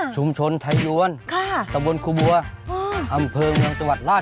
ชมชนไทยวรค่ะทบลให้ผู้ว่า